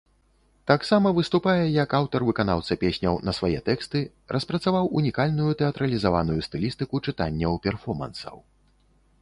Таксама выступае як аўтар-выканаўца песняў на свае тэксты, распрацаваў унікальную тэатралізаваную стылістыку чытанняў-перфомансаў.